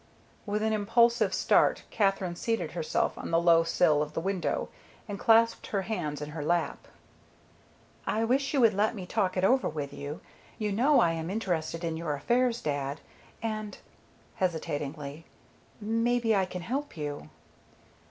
With an impulsive start Katherine seated herself on the low sill of the window and clasped her hands in her lap. "I wish you would let me talk it over with you. You know I am interested in your affairs, dad. And," hesitatingly, "maybe I can help you."